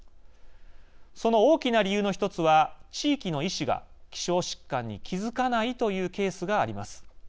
その大きな理由の１つは地域の医師が希少疾患に気付かないというケースがあります。